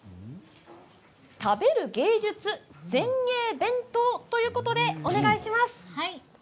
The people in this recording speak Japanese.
食べる芸術、前衛弁当ということでお願いします。